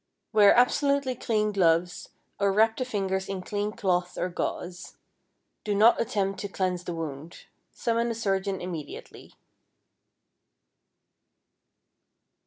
Wear absolutely clean gloves or wrap the fingers in clean cloth or gauze. Do not attempt to cleanse the wound. Summon a surgeon immediately.